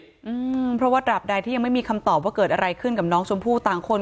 อืมเพราะว่าตราบใดที่ยังไม่มีคำตอบว่าเกิดอะไรขึ้นกับน้องชมพู่ต่างคน